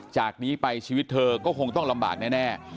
จากนี้ไปชีวิตเธอก็คงต้องลำบากแน่